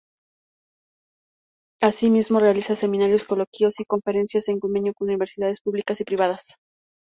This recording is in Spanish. Asimismo, realiza seminarios, coloquios y conferencias en convenio con universidades públicas y privadas.